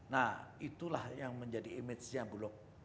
nah itulah yang menjadi image nya bulog